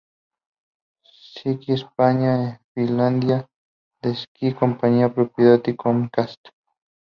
Sky España, es filial de Sky, compañía propiedad de Comcast.